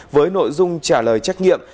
với nội dung trả lời trắc nghiệm